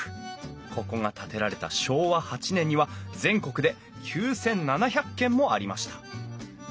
ここが建てられた昭和８年には全国で９，７００軒もありました。